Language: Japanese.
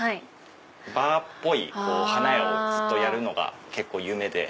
バーっぽい花屋をやるのが結構夢で。